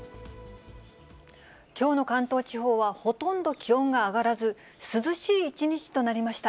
きょうの関東地方は、ほとんど気温が上がらず、涼しい一日となりました。